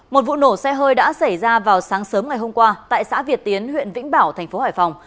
một vụ nổ xe hơi đã xảy ra vào sáng sớm ngày hôm qua tại xã việt tiến huyện vĩnh bảo thành phố hải phòng